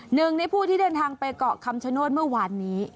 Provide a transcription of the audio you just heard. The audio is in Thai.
หนึ่งในผู้ที่เดินทางไปเกาะคำชโนธเมื่อวานนี้